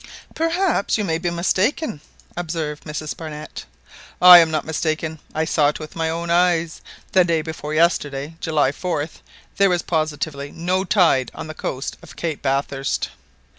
"Perhaps you may be mistaken observed Mrs Barnett. "I am not mistaken. I saw it with my own eyes. The day before yesterday, July 4th, there was positively no tide on the coast of Cape Bathurst."